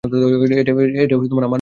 এটা আমার মিশন।